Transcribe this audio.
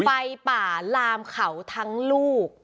ไฟป่าลามเขาทั้งลูก